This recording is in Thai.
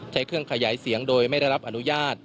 ใช้เครื่องขยายเสียงโดยไม่ได้รับอนุญาต